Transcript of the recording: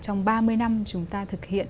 trong ba mươi năm chúng ta thực hiện